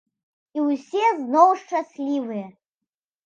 І ўсе зноў шчаслівыя.